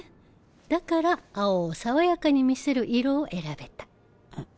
だから青を爽やかに見せる色を選べた。